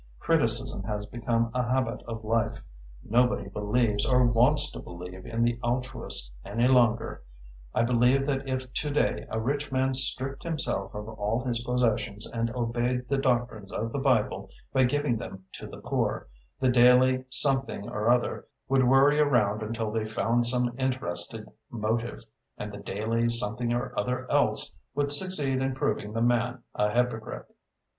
Criticism has become a habit of life. Nobody believes or wants to believe in the altruist any longer. I believe that if to day a rich man stripped himself of all his possessions and obeyed the doctrines of the Bible by giving them to the poor, the Daily something or other would worry around until they found some interested motive, and the Daily something or other else would succeed in proving the man a hypocrite."